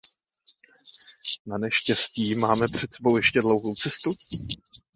Naneštěstí máme před sebou ještě dlouhou cestu.